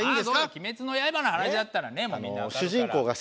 『鬼滅の刃』の話だったらねもうみんなわかるから。